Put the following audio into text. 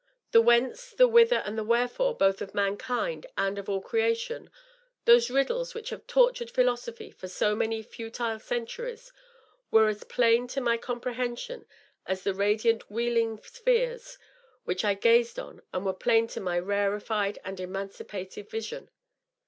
The whence, the whither and the wherefore both of mankind and of all creation — ^those riddles which have tortured philosophy for so many futile centuries — were as plain to my compre hension as the radiant wheeling spheres which I gazed on were plain to my rarefied and emancipated vision.